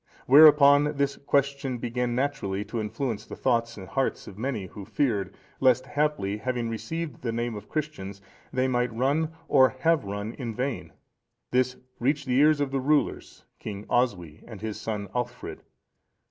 Whereupon this question began naturally to influence the thoughts and hearts of many who feared, lest haply, having received the name of Christians, they might run, or have run, in vain. This reached the ears of the rulers, King Oswy and his son Alchfrid.